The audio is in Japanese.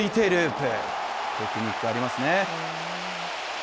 テクニックありますね。